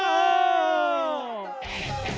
โปรดติดตามตอนต่อไป